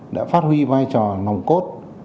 đã phát huy vai trò nồng cốt